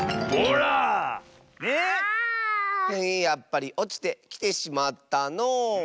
やっぱりおちてきてしまったのう。